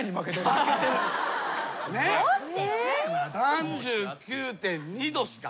３９．２℃しか。